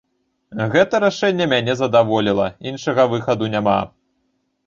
Гэта рашэнне мяне задаволіла, іншага выхаду няма.